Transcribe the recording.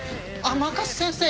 「甘春先生